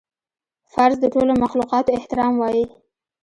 فرض د ټولو مخلوقاتو احترام وای